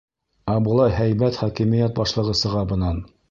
Ә былай һәйбәт хакимиәт башлығы сыға бынан.